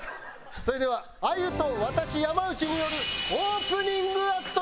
それではあゆと私山内によるオープニングアクトです。